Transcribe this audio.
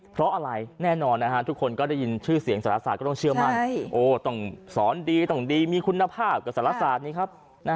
เพราะอะไรแน่นอนทุกคนก็ได้ยินชื่อเสียงสารศาสตร์ก็ต้องเชื่อมั่นต้องสอนดีต้องดีมีคุณภาพกับสารศาสตร์นี้ครับ